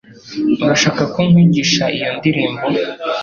Urashaka ko nkwigisha iyo ndirimbo?